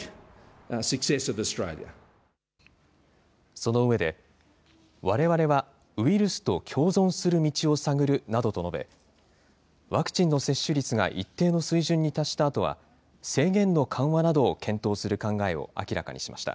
その上で、われわれはウイルスと共存する道を探るなどと述べ、ワクチンの接種率が一定の水準に達したあとは、制限の緩和などを検討する考えを明らかにしました。